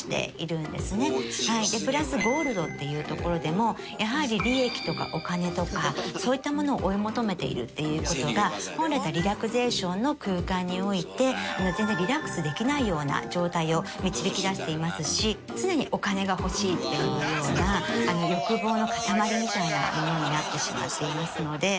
プラスゴールドっていうところでもやはり利益とかお金とかそういったものを追い求めているっていう事が本来だったらリラクゼーションの空間において全然リラックスできないような状態を導き出していますし常にお金が欲しいっていうような欲望の塊みたいなものになってしまっていますので。